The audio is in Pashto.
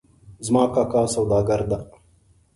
زما کاکا سوداګر ده